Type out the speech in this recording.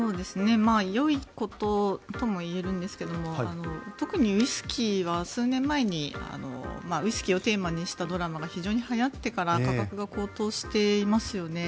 よいこととも言えるんですけど特にウイスキーは数年前にウイスキーをテーマにしたドラマが非常にはやってから価格が高騰していますよね。